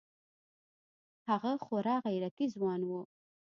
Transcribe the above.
هغه خورا غيرتي ځوان و.